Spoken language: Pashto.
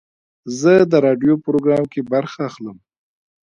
زه د راډیو پروګرام کې برخه اخلم.